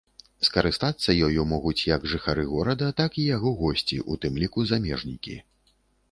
Скарыстацца ёю могуць як жыхары горада, так і яго госці, у тым ліку замежнікі.